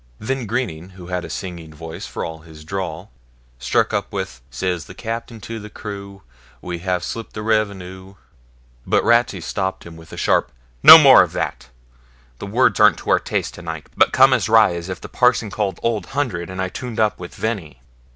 Then Greening, who had a singing voice for all his drawl, struck up with Says the Cap'n to the crew, We have slipt the revenue, but Ratsey stopped him with a sharp 'No more of that; the words aren't to our taste tonight, but come as wry as if the parson called Old Hundred and I tuned up with Veni.'